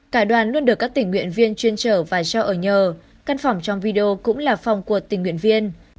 cả đoàn luôn được các tỉnh nguyện viên chuyên trở và trao ở nhờ căn phòng trong video cũng là phòng của tỉnh nguyện viên